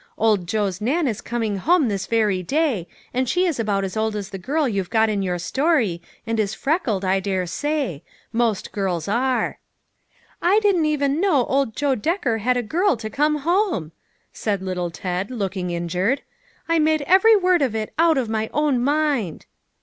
Old Joe's Nan is coming home this very day, and she is about as old as the girl you've got in your story, and is freckled, I dare say ; most girls are." " I didn't even know old Joe Decker had a girl to come home !" said little Ted, looking 76 LITTLE FISHEES: AND THEIR NETS. injured. "I made every word of it out of my own mind."